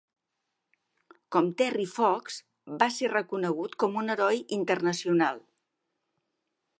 Com Terry Fox, va ser reconegut con un heroi internacional.